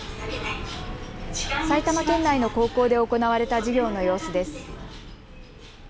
埼玉県内の高校で行われた授業の様子です。